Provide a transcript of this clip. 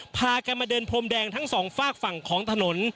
พากันมาเดินพรมแดงทั้งสองฝากฝั่งของถนน